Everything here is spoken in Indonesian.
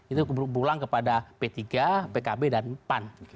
itu pulang kepada p tiga pkb dan pan